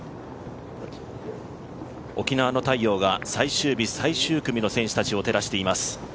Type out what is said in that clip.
沖縄の太陽が、最終日最終組の選手たちを照らしています。